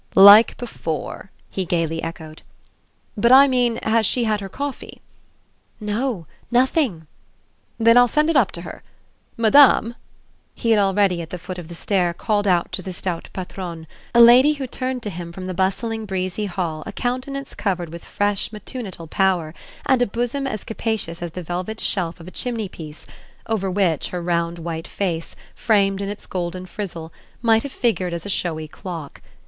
"Like before!" he gaily echoed. "But I mean has she had her coffee?" "No, nothing." "Then I'll send it up to her. Madame!" He had already, at the foot of the stair, called out to the stout patronne, a lady who turned to him from the bustling, breezy hall a countenance covered with fresh matutinal powder and a bosom as capacious as the velvet shelf of a chimneypiece, over which her round white face, framed in its golden frizzle, might have figured as a showy clock.